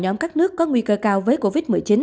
nhóm các nước có nguy cơ cao với covid một mươi chín